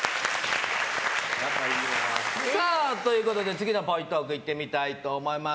次のぽいトーク行ってみたいと思います。